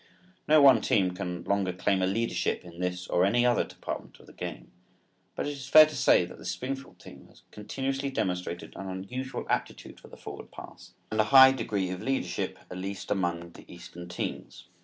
No one team can longer claim a leadership in this or any other department of the game, but it is fair to say that the Springfield team has continuously demonstrated an unusual aptitude for the forward pass and a high degree of leadership at least among the Eastern teams.